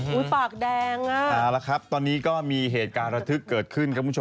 อุ้ยปากแดงอ่ะเอาละครับตอนนี้ก็มีเหตุการณ์ระทึกเกิดขึ้น